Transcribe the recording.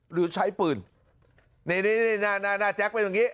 หรือใช้ปืนนี่หน้าแจ๊คเป็นอย่างนี้